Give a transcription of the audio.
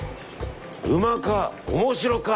「うまか！